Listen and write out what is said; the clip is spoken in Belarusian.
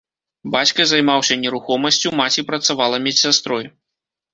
Бацька займаўся нерухомасцю, маці працавала медсястрой.